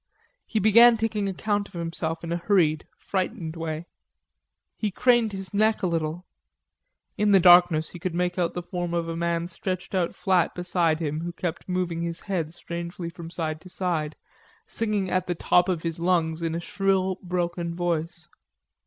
He began taking account of himself in a hurried frightened way. He craned his neck a little. In the darkness he could make out the form of a man stretched out flat beside him who kept moving his head strangely from side to side, singing at the top of his lungs in a shrill broken voice.